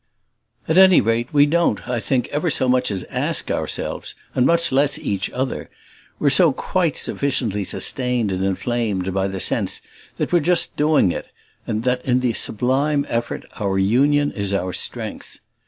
At any rate we don't, I think, ever so much as ask ourselves, and much less each other: we're so quite sufficiently sustained and inflamed by the sense that we're just doing it, and that in the sublime effort our union is our strength.